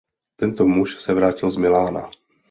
Tento muž se vrátil z Milána.